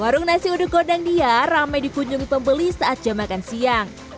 warung nasi uduk gondang dia ramai dikunjungi pembeli saat jam makan siang